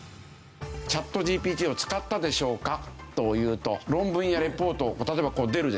ＣｈａｔＧＰＴを使ったでしょうかというと論文やレポートを例えばこう出るでしょ。